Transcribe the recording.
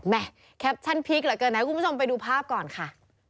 แหมแคปชั่นพิกเหรอเกินนะครับคุณผู้ชมไปดูภาพก่อนค่ะ